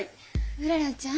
うららちゃん